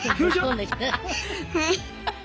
はい。